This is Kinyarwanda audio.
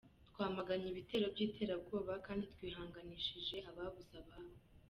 Twamaganye ibitero by’iterabwoba kandi twihanganishije ababuze ababo.